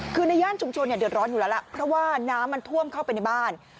คือในย่านชุมชนเนี่ยเดือดร้อนอยู่แล้วล่ะเพราะว่าน้ำมันท่วมเข้าไปในบ้าน